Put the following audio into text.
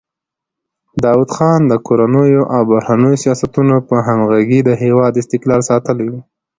داوود خان د کورنیو او بهرنیو سیاستونو په همغږۍ د هېواد استقلال ساتلی و.